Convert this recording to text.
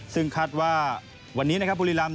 ซึ่งคาดว่าวันนี้นะครับบุรีรำ